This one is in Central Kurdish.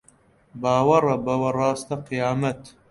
باوەڕە بەوە ڕاستە قیامەت